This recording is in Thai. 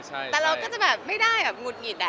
ใช่แต่เราก็จะไม่ได้หงุดหงิดนะ